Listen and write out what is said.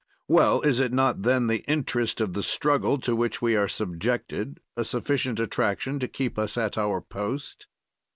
"'Well, is not then the interest of the struggle to which we are subjected a sufficient attraction to keep us at our post?'"